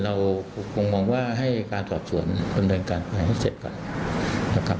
เราก็คงมองว่าให้การสอบส่วนบรรเวณการภายให้เสร็จก่อน